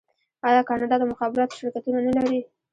آیا کاناډا د مخابراتو شرکتونه نلري؟